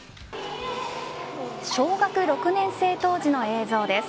小学６年生当時の映像です。